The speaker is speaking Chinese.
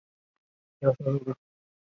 叙西厄。